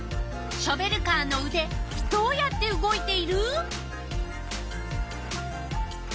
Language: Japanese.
ショベルカーのうでどうやって動いている？